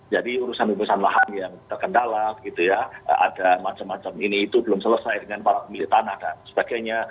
jadi urusan urusan lahan yang terkendala ada macam macam ini itu belum selesai dengan para pemilik tanah dan sebagainya